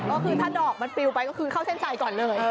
ก็คือถ้าดอกมันปลิวไปก็คือเข้าเส้นชัยก่อนเลย